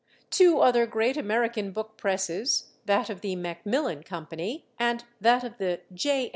Two other great American book presses, that of the Macmillan Company and that of the J.